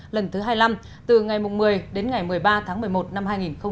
lần thứ hai mươi năm từ ngày một mươi đến ngày một mươi ba tháng một mươi một năm hai nghìn hai mươi